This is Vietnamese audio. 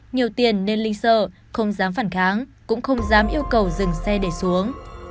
nhiều tiền nên linh sợ không dám phản kháng cũng không dám yêu cầu dừng xe để xuống